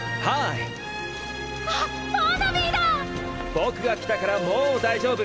僕が来たからもう大丈夫！